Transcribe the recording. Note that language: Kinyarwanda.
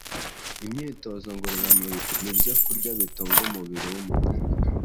Imyitozo ngororamubiri ni ibyo kurya bitunga umubiri w’umuntu”